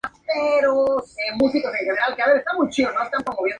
Por lo general, son arbustos, raramente árboles.